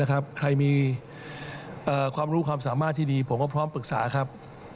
ใครมีความรู้ความสามารถที่ดีผมก็พร้อมปรึกษาครับ